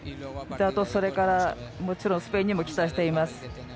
それから、もちろんスペインにも期待しています。